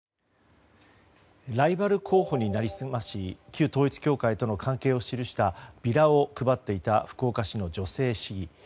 ライバル候補に成りすまし旧統一教会との関係を記したビラを配っていた福岡市の女性市議。